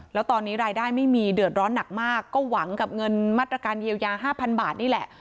แล้วตอนนี้รายได้ไม่มีเดือดร้อนหนักมากก็หวังกับเงินมาตรการเยียวยา๕๐๐บาทนี่แหละ